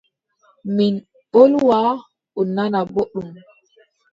Min mbolwa o nana boɗɗum.